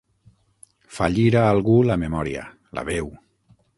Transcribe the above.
Fallir a algú la memòria, la veu.